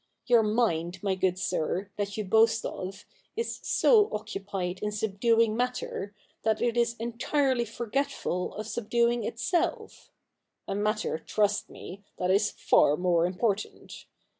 Your mind, my good sir, that you boast of, is so occupied in subduing matter, that it is entirely forgetful 38 THE NEW REPUBLIC [rk. i of subduing itself — a matter, trust me, that is far more important.